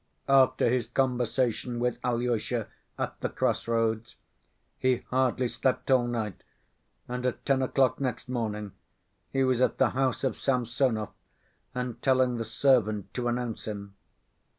After his conversation with Alyosha, at the cross‐roads, he hardly slept all night, and at ten o'clock next morning, he was at the house of Samsonov and telling the servant to announce him.